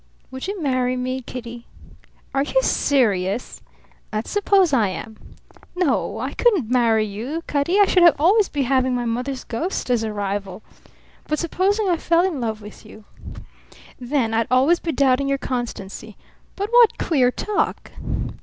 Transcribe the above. "Would you marry me, Kitty?" "Are you serious?" "Let's suppose I am." "No. I couldn't marry you, Cutty I should always be having my mother's ghost as a rival." "But supposing I fell in love with you?" "Then I'd always be doubting your constancy. But what queer talk!"'